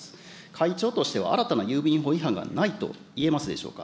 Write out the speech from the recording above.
会長としては新たな郵便法違反がないといえますでしょうか。